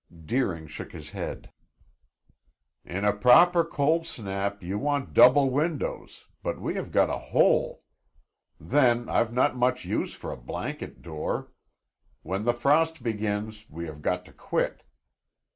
Deering shook his head. "In a proper cold snap you want double windows, but we have got a hole. Then I've not much use for a blanket door. When the frost begins we have got to quit."